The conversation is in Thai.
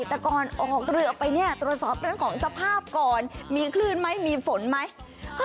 แต่ก่อนออกเรือไปเนี่ยตรวจสอบเรื่องของสภาพก่อนมีคลื่นไหมมีฝนไหม